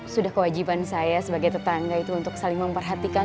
sudah kewajiban saya sebagai tetangga itu untuk saling memperhatikan